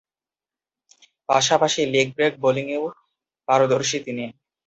পাশাপাশি leg break বোলিংয়েও পারদর্শী তিনি।